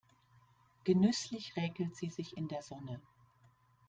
Genüsslich räkelt sie sich in der Sonne.